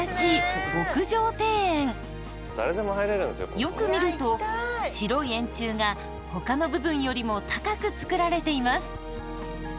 よく見ると白い円柱がほかの部分よりも高く作られています。